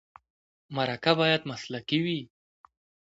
مرکه باید مسلکي وي.